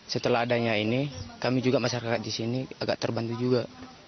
setelah adanya ini kami juga masyarakat di sini agak terbantu juga